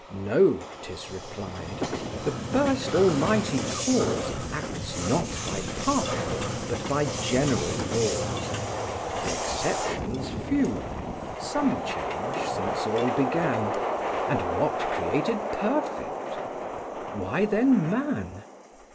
"No, ('tis replied) the first Almighty Cause Acts not by partial, but by general laws; The exceptions few; some change since all began; And what created perfect?"—Why then man?